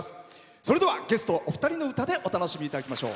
それではゲストお二人の歌でお楽しみいただきましょう。